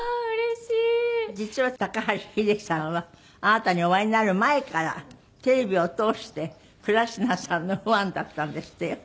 実は高橋英樹さんはあなたにお会いになる前からテレビを通して倉科さんのファンだったんですってよ。